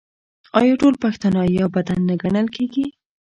آیا ټول پښتانه یو بدن نه ګڼل کیږي؟